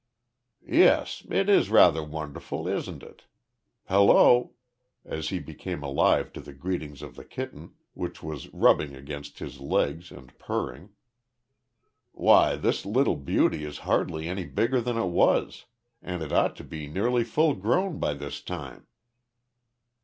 "Yes it is rather wonderful, isn't it Hallo?" as he became alive to the greetings of the kitten, which was rubbing against his legs and purring. "Why, this little beauty is hardly any bigger than it was, and it ought to be nearly full grown by this time."